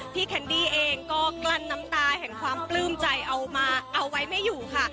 แคนดี้เองก็กลั้นน้ำตาแห่งความปลื้มใจเอามาเอาไว้ไม่อยู่ค่ะ